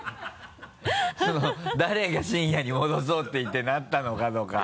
誰が深夜に戻そうって言ってなったのかとか。